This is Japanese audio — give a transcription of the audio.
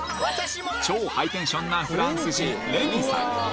超ハイテンションなフランス人レミさん